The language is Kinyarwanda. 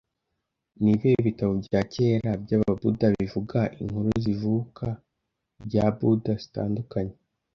Nibihe bitabo bya kera byababuda bivuga inkuru zivuka rya Buda zitandukanye